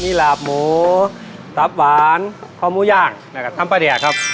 นี่ลาบหมูซับหวานข้อมูลย่างและกับท่ำปะเดียครับ